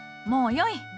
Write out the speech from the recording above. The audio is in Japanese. もうよい！